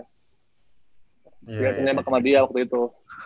gue nembak sama dia waktu itu